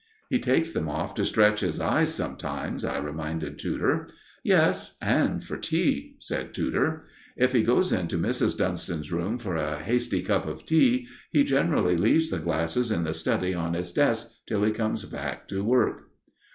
"He takes them off to stretch his eyes sometimes," I reminded Tudor. "Yes, and for tea," said Tudor. "If he goes in to Mrs. Dunston's room for a hasty cup of tea, he generally leaves the glasses in the study on his desk till he comes back to work."